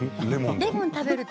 レモンを食べると。